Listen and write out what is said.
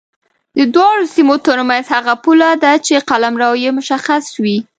د دواړو سیمو ترمنځ هغه پوله ده چې قلمرو یې مشخصوي.